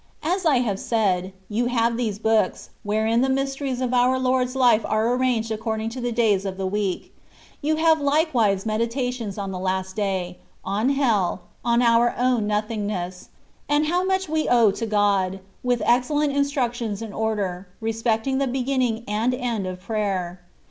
As I have said, you have these books, wherein the mysteries of our Lord's life are arranged ac cording to the days of the week : you have like wise meditations on the last Day, on hell, on our own nothingness, and how much we owe to God, with excellent instructions in order, respecting the beginning and end of prayer.